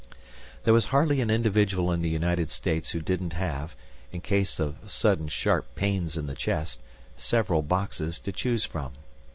There was hardly an individual in the United States who didn't have, in case of sudden sharp pains in the chest, several boxes to choose from.